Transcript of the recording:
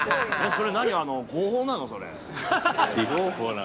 ◆それ何、合法なの、それ？